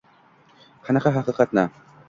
Qanaqa haqiqatni?